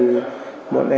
đều đối tượng